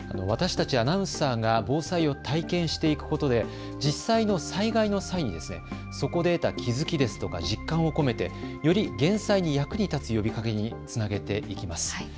私たちアナウンサーが防災を体験していくことで実際の災害の際にそこで得た気付きですとか実感を込めて、より減災に役に立つ呼びかけにつなげていきます。